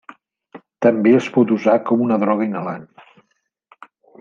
També es pot usar com a droga inhalant.